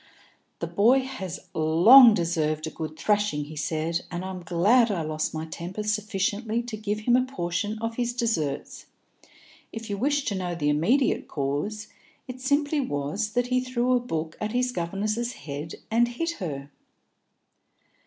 "The boy has long deserved a good thrashing," he said, "and I'm glad I lost my temper sufficiently to give him a portion of his deserts. If you wish to know the immediate cause, it simply was that he threw a book at his governess's head and hit her."